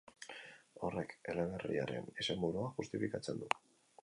Horrek eleberriaren izenburua justifikatzen du.